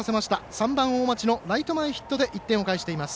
３番、大町のライト前ヒットで１点を返しています。